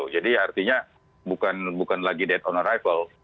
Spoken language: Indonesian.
jadi artinya bukan lagi dead on arrival